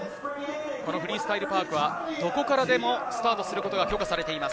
フリースタイル・パークはどこからでもスタートすることが許可されています。